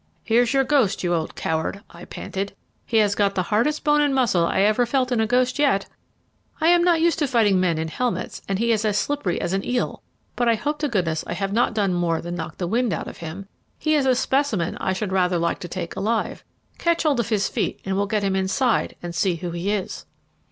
"Here's your ghost, you old coward!" I panted; "he has got the hardest bone and muscle I ever felt in a ghost yet. I am not used to fighting men in helmets, and he is as slippery as an eel, but I hope to goodness I have not done more than knock the wind out of him. He is a specimen I should rather like to take alive. Catch hold of his feet and we'll get him inside and see who he is."